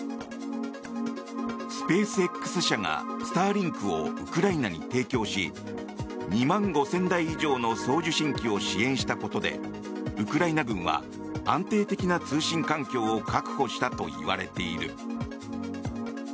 スペースＸ社がスターリンクをウクライナに提供し２万５０００台以上の送受信機を支援したことでウクライナ軍は安定的な通信環境を確保したといわれている。